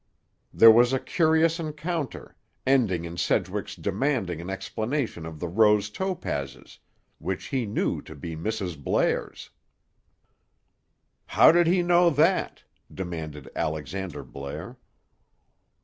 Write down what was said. There was a curious encounter, ending in Sedgwick's demanding an explanation of the rose topazes, which he knew to be Mrs. Blair's." "How did he know that?" demanded Alexander Blair.